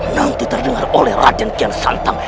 nanti terdengar oleh rajan kian santang